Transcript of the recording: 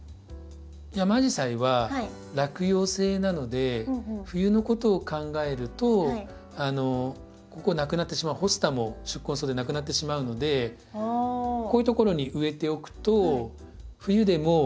ヤマアジサイは落葉性なので冬のことを考えるとここなくなってしまうホスタも宿根草でなくなってしまうのでこういうところに植えておくと冬でも形が緑が残るので。